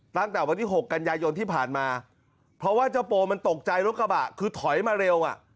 ตั้งแต่วันที่๖กันยายนที่ผ่านมาเพราะว่าเจ้าโปมันตกใจรถกระบะคือถอยมาเร็วอ่ะ